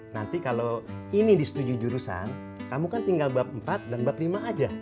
nanti kalau ini disetujui jurusan kamu kan tinggal bab empat dan bab lima aja